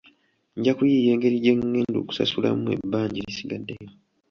Nja kuyiiya engeri gye ngenda okusasulamu ebbanja erisigaddeyo.